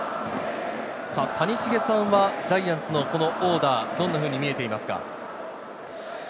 谷繁さんはジャイアンツのこのオーダー、どんなふうに見えていますか？